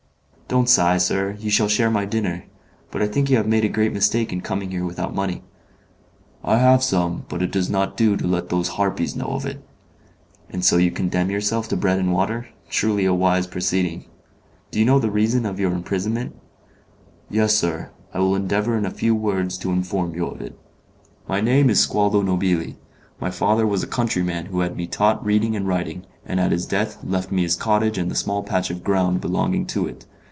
"Don't sigh, sir, you shall share my dinner. But I think you have made a great mistake in coming here without money." "I have some, but it does not do to let those harpies know of it." "And so you condemn yourself to bread and water. Truly a wise proceeding! Do you know the reason of your imprisonment?" "Yes, sir, and I will endeavour in a few words to inform you of it." "My name is Squaldo Nobili. My father was a countryman who had me taught reading and writing, and at his death left me his cottage and the small patch of ground belonging to it.